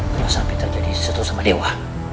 kalau sampai terjadi sesuatu sama dewa